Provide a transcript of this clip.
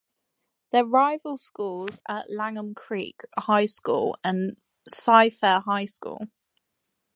Their rival schools are Langham Creek High School and Cy-Fair High School.